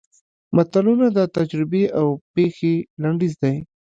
متلونه د تجربې او پېښې لنډیز دي